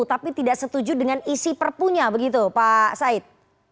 tapi tidak setuju dengan isi perpunya begitu pak said